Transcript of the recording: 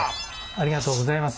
ありがとうございます。